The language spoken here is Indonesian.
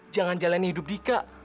jangan jalani hidup dika